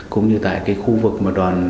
cũng như tại cái khu vực mà đoàn